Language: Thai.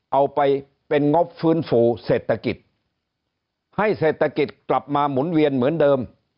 เอาไปเป็นงบฟื้นฟูเศรษฐกิจให้เศรษฐกิจกลับมาหมุนเวียนเหมือนเดิม